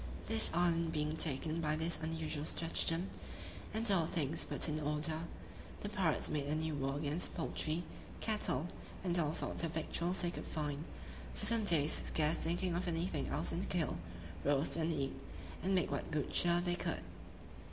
This island being taken by this unusual stratagem, and all things put in order, the pirates made a new war against the poultry, cattle, and all sorts of victuals they could find, for some days; scarce thinking of anything else than to kill, roast, and eat, and make what good cheer they could.